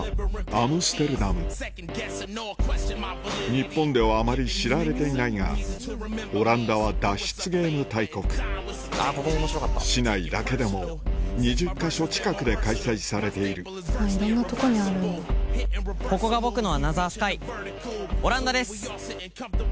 日本ではあまり知られていないがオランダは脱出ゲーム大国市内だけでも２０か所近くで開催されているここが僕のアナザースカイオランダです！